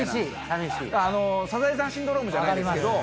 サザエさんシンドロームじゃないけど。